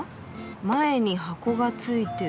前に箱がついてる。